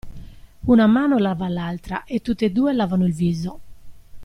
Una mano lava l'altra e tutte e due lavano il viso.